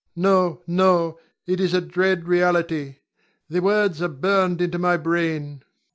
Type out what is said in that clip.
No, no! it is a dread reality. The words are burned into my brain.